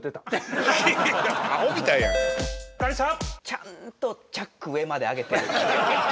ちゃんとチャック上まで上げてる。